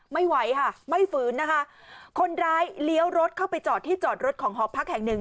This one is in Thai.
ไม่ไหวค่ะไม่ฝืนนะคะคนร้ายเลี้ยวรถเข้าไปจอดที่จอดรถของหอพักแห่งหนึ่ง